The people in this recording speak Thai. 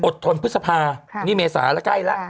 ทนพฤษภานี่เมษาแล้วใกล้แล้ว